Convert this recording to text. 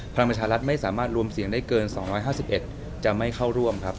พลังประชารัฐไม่สามารถรวมเสียงได้เกิน๒๕๑จะไม่เข้าร่วมครับ